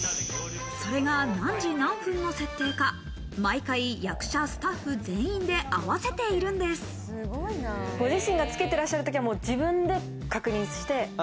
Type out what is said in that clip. それが何時何分の設定か、毎回役者、スタッフ全員で合わせているご自身がつけてらっしゃる時は自分で確認して。